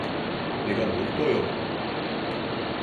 내가 뭘 또요?